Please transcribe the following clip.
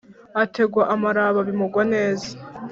ategwa amaraba bimugwa neza